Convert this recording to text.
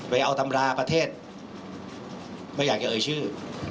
ไปเอาตำราประเทศไม่อยากจะเอ่ยชื่อ